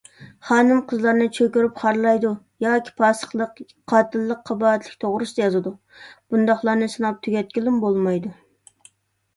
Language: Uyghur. خانىم - قىزلارنى چۆكۈرۈپ خارلايدۇ ياكى پاسىقلىق، قاتىللىق، قاباھەتلىك توغرىسىدا يازىدۇ، بۇنداقلارنى ساناپ تۈگەتكىلىمۇ بولمايدۇ.